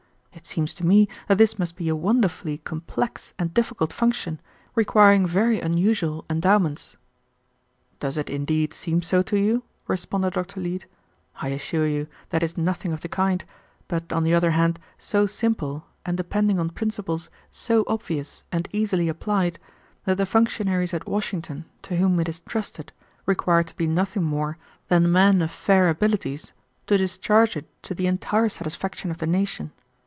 It seems to me that this must be a wonderfully complex and difficult function, requiring very unusual endowments." "Does it indeed seem so to you?" responded Dr. Leete. "I assure you that it is nothing of the kind, but on the other hand so simple, and depending on principles so obvious and easily applied, that the functionaries at Washington to whom it is trusted require to be nothing more than men of fair abilities to discharge it to the entire satisfaction of the nation.